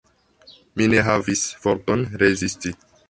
Mi ne havis forton rezisti.